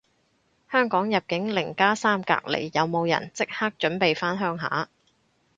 香港入境零加三隔離，有冇人即刻準備返鄉下